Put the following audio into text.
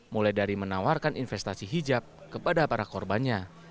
mulai dari menawarkan investasi hijab kepada para korbannya